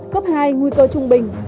cấp hai nguy cơ trung bình